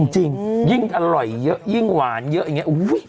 จริงยิ่งอร่อยเยอะยิ่งหวานเยอะอย่างนี้